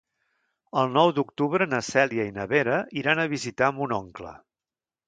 El nou d'octubre na Cèlia i na Vera iran a visitar mon oncle.